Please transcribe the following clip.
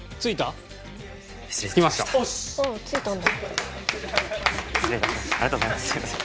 ありがとうございます。